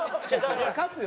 勝つよ。